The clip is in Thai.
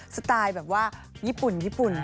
สไตล์แบบว่าญี่ปุ่นญี่ปุ่น